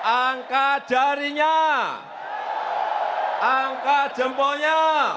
angka darinya angka jempolnya